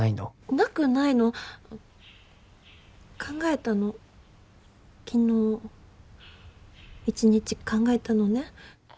なくないの考えたの昨日１日考えたのね